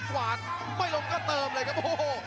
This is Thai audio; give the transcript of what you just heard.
กวาดไม่ลงก็เติมเลยครับโอ้โห